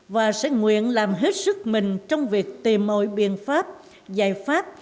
và sẽ nguyện làm hết sức mình trong việc tìm mọi biện pháp giải pháp